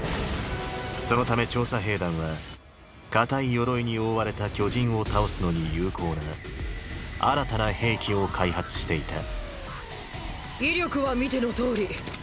そのため調査兵団は硬い鎧に覆われた巨人を倒すのに有効な新たな兵器を開発していた威力は見てのとおり。